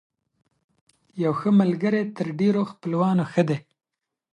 يو ښه ملګری تر ډېرو خپلوانو ښه دی.